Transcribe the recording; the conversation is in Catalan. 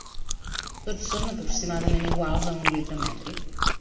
Tots són aproximadament iguals a un litre mètric.